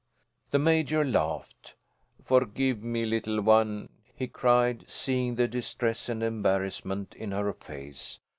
The Major laughed. "Forgive me, little one!" he cried, seeing the distress and embarrassment in her face.